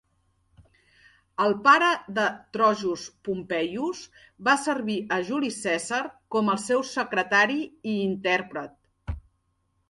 El pare de Trogus Pompeius va servir a Juli Cèsar com el seu secretari i intèrpret.